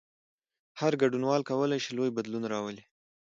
هر ګډونوال کولای شي لوی بدلون راولي.